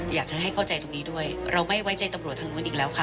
อยากให้เข้าใจตรงนี้ด้วยเราไม่ไว้ใจตำรวจทางนู้นอีกแล้วค่ะ